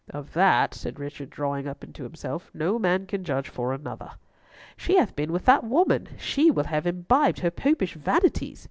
"Of that," said Richard, drawing up into himself, "no man can judge for another." "She hath been with that woman; she will have imbibed her Popish vanities!"